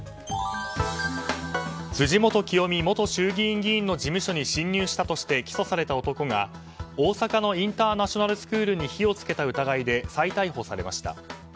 辻元清美元衆議院議員の事務所に侵入したとして起訴された男が大阪のインターナショナルスクールに火を付けた疑いで再逮捕されました。